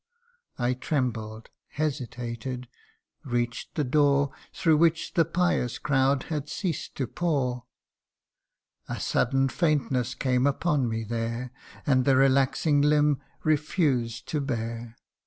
I trembled hesitated reach 'd the door Through which the pious crowd had ceased to pour : A sudden faintness came upon me there, And the relaxing limb refused to bear.